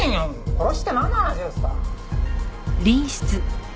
「殺しってなんの話ですか？」